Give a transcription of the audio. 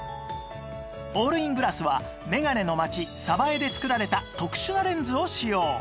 オールイングラスはメガネの街江で作られた特殊なレンズを使用